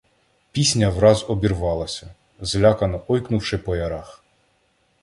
Пісня враз обірвалася, злякано ойкнувши по ярах.